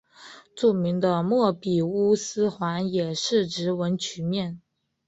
著名的莫比乌斯环也是直纹曲面。